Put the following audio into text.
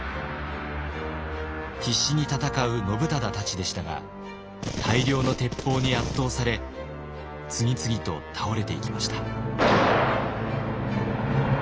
必死に戦う信忠たちでしたが大量の鉄砲に圧倒され次々と倒れていきました。